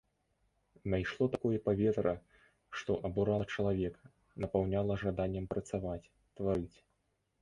Найшло такое паветра, што абурала чалавека, напаўняла жаданнем працаваць, тварыць.